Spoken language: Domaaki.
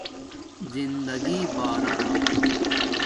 زندگݵ بارانا